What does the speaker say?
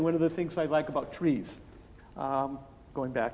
salah satu hal yang saya suka tentang tanah